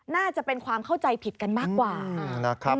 น่าจะเป็นความเข้าใจผิดกันมากกว่านะครับ